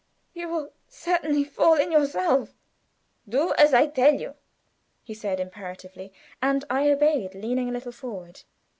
You will certainly fall in yourself." "Do as I tell you," he said, imperatively, and I obeyed, leaning a little forward.